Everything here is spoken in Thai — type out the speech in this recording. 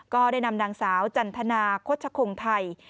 ก็ได้นำนางสาวจันทนาโฆษคงไทย